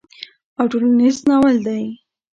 او ټولنيز ناول دی